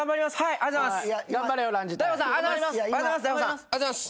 ありがとうございます。